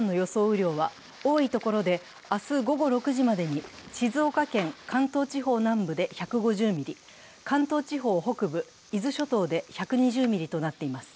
雨量は、多いところで明日午後６時までに、静岡県、関東地方南部で１５０ミリ、関東地方北部、伊豆諸島で１２０ミリとなっています。